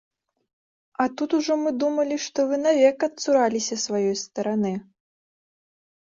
А тут ужо мы думалі, што вы навек адцураліся сваёй стараны.